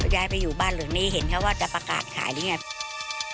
เขาย้ายไปอยู่บ้านเหลือนี้เห็นเขาว่าจะประกาศขายหรืออย่างนี้